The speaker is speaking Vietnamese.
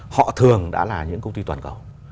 họ thường đã là những công ty toàn cầu